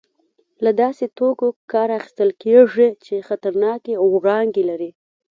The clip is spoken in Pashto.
له داسې توکو کار اخیستل کېږي چې خطرناکې وړانګې لري.